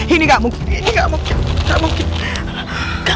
ini gak mungkin